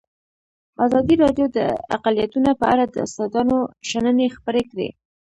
ازادي راډیو د اقلیتونه په اړه د استادانو شننې خپرې کړي.